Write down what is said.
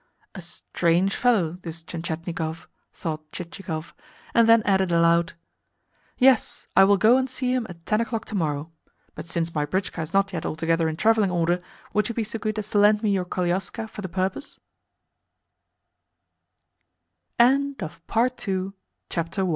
"A strange fellow, this Tientietnikov!" thought Chichikov, and then added aloud: "Yes, I will go and see him at ten o'clock to morrow; but since my britchka is not yet altogether in travelling order, would you be so good as to lend me your koliaska for the pur